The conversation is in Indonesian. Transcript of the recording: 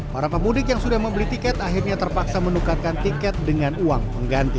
para pemudik yang sudah membeli tiket akhirnya terpaksa menukarkan tiket dengan uang pengganti